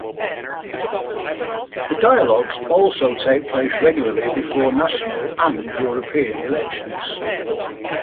The dialogues also take place regularly before national and European elections.